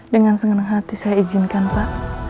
dengan senang hati saya izinkan pak